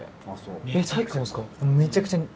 うんめちゃくちゃ。